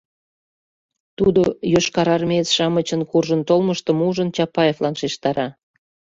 Тудо, йошкарармеец-шамычын куржын толмыштым ужын, Чапаевлан шижтара.